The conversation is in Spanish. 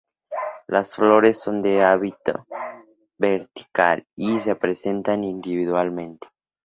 Las flores son de hábito vertical, y se presentan individualmente.